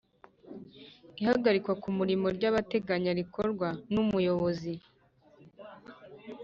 Ihagarikwa ku murimo by’agateganyo rikorwa n’Umuyobozi